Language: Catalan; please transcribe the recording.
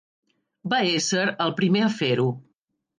Va ésser el primer a fer-ho.